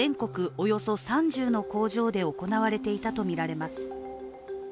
およそ３０の工場で行われていたとみられます。